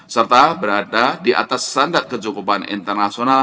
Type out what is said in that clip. serta berada di atas standar kecukupan internasional